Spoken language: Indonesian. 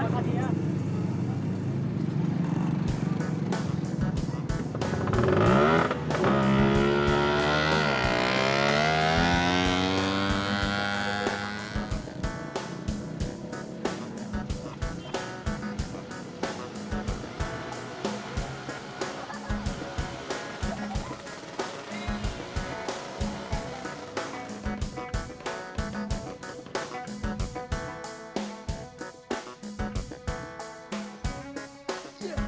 buat buka puasa